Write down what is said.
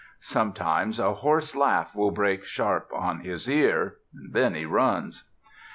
Sometimes a hoarse laugh will break sharp on his ear. Then he runs.